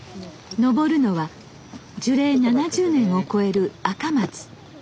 登るのは樹齢７０年を超えるアカマツ。